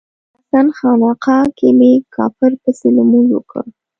د حسن خانقا کې می کافر پسې لمونځ وکړ